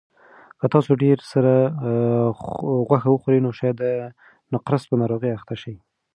که تاسو ډېره سره غوښه وخورئ نو شاید د نقرس په ناروغۍ اخته شئ.